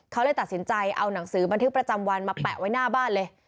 เขาเลยตัดสินใจเอาหนังสือบันทึกประจำวันมาแปะไว้หน้าบ้านเลย